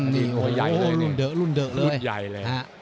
โหรุ่นเดอะรุ่นเดอะเลยฤทธิ์ใหญ่เลย